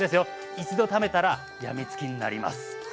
一度食べたら病みつきになります。